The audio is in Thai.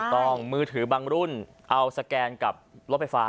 มือถือบางรุ่นเอาสแกนกับรถไฟฟ้า